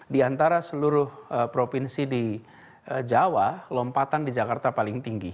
di antara seluruh provinsi di jawa lompatan di jakarta paling tinggi